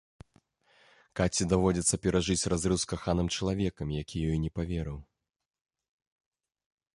Каці даводзіцца перажыць разрыў з каханым чалавекам, які ёй не паверыў.